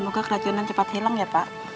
semoga keracunan cepat hilang ya pak